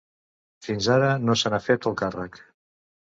Fins ara, no se n'ha fet el càrrec.